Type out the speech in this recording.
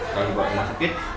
kalau juga rumah sakit